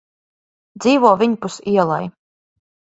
Dzīvo viņpus ielai.